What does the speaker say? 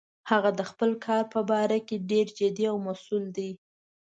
هغه د خپل کار په باره کې ډیر جدي او مسؤل ده